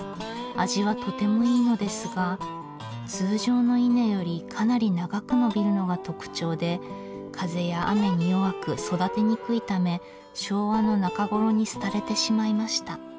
味はとてもいいのですが通常の稲よりかなり長く伸びるのが特徴で風や雨に弱く育てにくいため昭和の中頃に廃れてしまいました。